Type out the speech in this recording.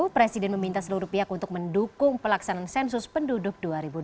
presiden meminta seluruh pihak untuk mendukung pelaksanaan sensus penduduk dua ribu dua puluh